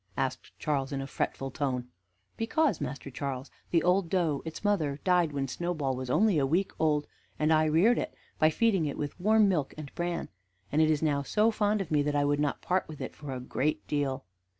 asked Charles in a fretful tone. "Because, Master Charles, the old doe, its mother, died when Snowball was only a week old, and I reared it by feeding it with warm milk and bran; and it is now so fond of me that I would not part with it for a great deal."